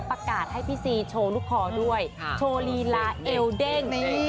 ประกาศให้พี่ซีโชว์ลูกคอด้วยโชว์ลีลาเอลเด้ง